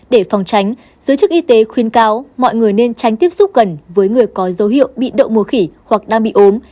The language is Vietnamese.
để phòng tránh giới chức y tế khuyên cáo mọi người nên tránh tiếp xúc gần với người có dấu hiệu bị đậu mùa khỉ hoặc đang bị ốm